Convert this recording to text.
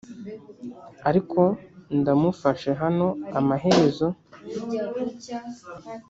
ariko ndamufashe hano amaherezo.